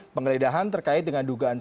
penggeledahan terkait dengan dugaan